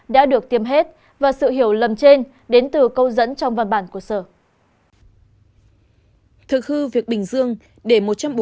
đã được tiêm hết và sự hiểu lầm trên đến từ câu dẫn trong văn bản của sở